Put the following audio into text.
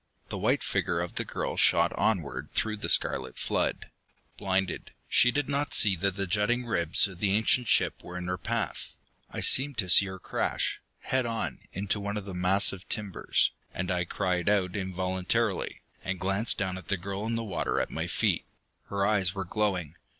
The white figure of the girl shot onward through the scarlet flood. Blinded, she did not see that the jutting ribs of the ancient ship were in her path. I seemed to see her crash, head on, into one of the massive timbers, and I cried out involuntarily, and glanced down at the girl in the water at my feet. Her eyes were glowing.